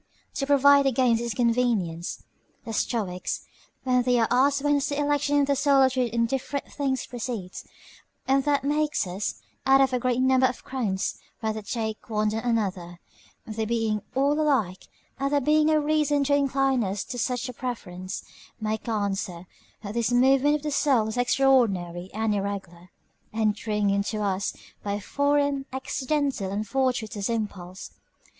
To provide against this inconvenience, the Stoics, when they are asked whence the election in the soul of two indifferent things proceeds, and that makes us, out of a great number of crowns, rather take one than another, they being all alike, and there being no reason to incline us to such a preference, make answer, that this movement of the soul is extraordinary and irregular, entering into us by a foreign, accidental, and fortuitous impulse.